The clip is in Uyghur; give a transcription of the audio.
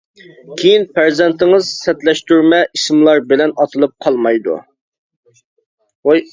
كېيىن پەرزەنتىڭىز سەتلەشتۈرمە ئىسىملار بىلەن ئاتىلىپ قالمايدۇ.